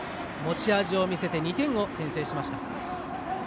持ち味を見せて２点を先制しました。